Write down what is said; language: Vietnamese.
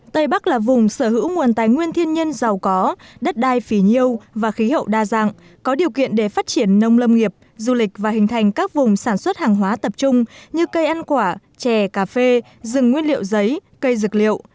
tây bắc là vùng sở hữu nguồn tài nguyên thiên nhiên giàu có đất đai phí nhiêu và khí hậu đa dạng có điều kiện để phát triển nông lâm nghiệp du lịch và hình thành các vùng sản xuất hàng hóa tập trung như cây ăn quả chè cà phê rừng nguyên liệu giấy cây dược liệu